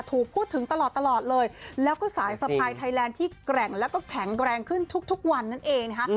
ถูกพูดถึงตลอดตลอดเลยแล้วก็สายสะพายไทยแลนด์ที่แกร่งแล้วก็แข็งแรงขึ้นทุกวันนั่นเองนะคะ